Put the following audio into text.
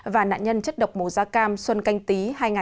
và nạn nhân chất độc mổ da cam xuân canh tý hai nghìn hai mươi